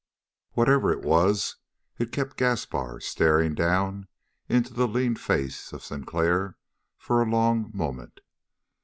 Whatever it was, it kept Gaspar staring down into the lean face of Sinclair for a long moment.